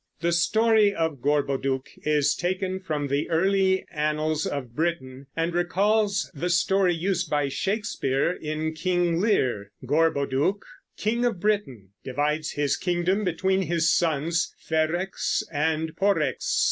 The story of "Gorboduc" is taken from the early annals of Britain and recalls the story used by Shakespeare in King Lear. Gorboduc, king of Britain, divides his kingdom between his sons Ferrex and Porrex.